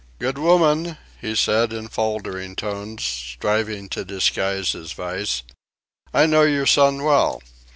"Good woman," he said in faltering tones, striving to disguise his vice, "I know your son well.